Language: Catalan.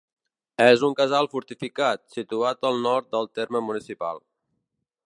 És un casal fortificat, situat al nord del terme municipal.